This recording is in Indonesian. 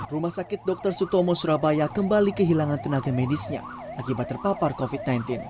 rumah sakit dr sutomo surabaya kembali kehilangan tenaga medisnya akibat terpapar covid sembilan belas